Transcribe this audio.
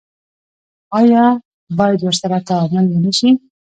آیا باید ورسره تعامل ونشي؟